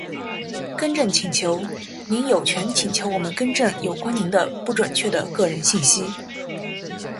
更正请求。您有权请求我们更正有关您的不准确的个人信息。